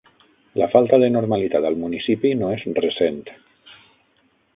La falta de normalitat al municipi no és recent.